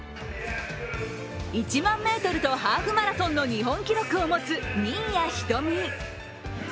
１００００ｍとハーフマラソンの日本記録を持つ新谷仁美。